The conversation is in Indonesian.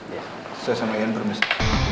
saya sama ian permisi